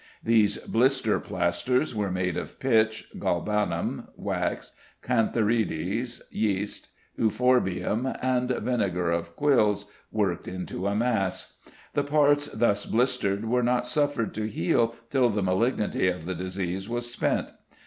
These blister plasters were made of pitch, galbanum, wax, cantharides, yeast, euphorbium, and vinegar of squills, worked into a mass. The parts thus blistered were not suffered to heal till the malignity of the disease was spent.